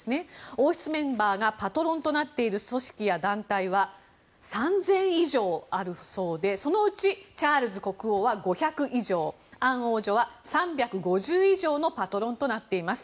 王室メンバーがパトロンなっている組織や団体は３０００以上あるそうでそのうちチャールズ国王は５００以上アン王女は３５０以上のパトロンとなっています。